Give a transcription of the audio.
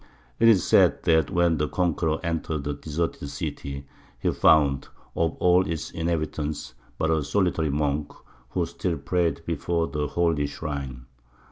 It is said that when the conqueror entered the deserted city he found of all its inhabitants but a solitary monk, who still prayed before the holy shrine.